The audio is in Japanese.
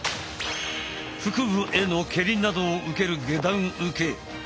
腹部への蹴りなどを受ける下段受け。